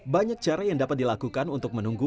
banyak cara yang dapat dilakukan untuk menunggu